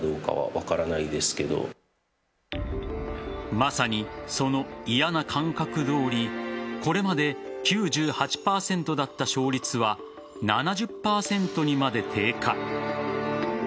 まさに、その嫌な感覚どおりこれまで９８％だった勝率は７０％にまで低下。